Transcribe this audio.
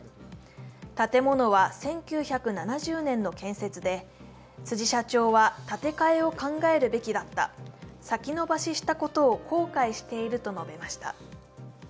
建物は１９７０年の建設で辻社長は建て替えを考えるべきだった先延ばししたことを後悔していると述べました。